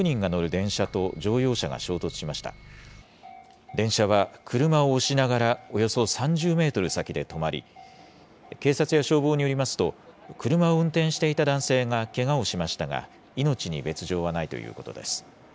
電車は車を押しながら、およそ３０メートル先で止まり、警察や消防によりますと、車を運転していた男性がけがをしましたが、命に別状はないということです。